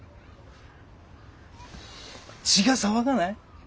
血が騒がない？